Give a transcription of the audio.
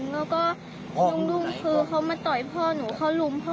แล้วพ่อหนูก็ปกป้องแล้วเขาก็ปกป้องหนูกับพ่อหนูกับพี่